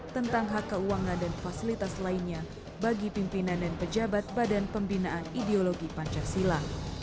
tentang hak keuangan dan fasilitas lainnya bagi pimpinan dan pejabat badan pembinaan ideologi pancasila